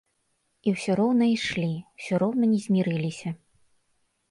І ўсё роўна ішлі, усё роўна не змірыліся.